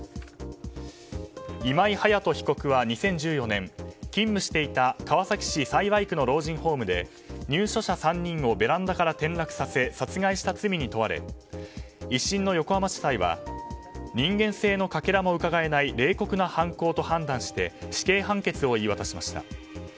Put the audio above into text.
今井隼人被告は２０１４年勤務していた川崎市幸区の老人ホームで入所者３人をベランダから転落させ殺害した罪に問われ１審の横浜地裁は人間性のかけらもうかがえない冷酷な犯行と判断して死刑判決を言い渡しました。